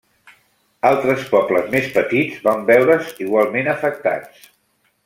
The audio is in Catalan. Altres pobles més petits van veure's igualment afectats.